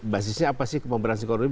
basisnya apa sih pemberantasan korupsi